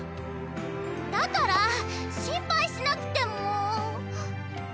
だから心配しなくても。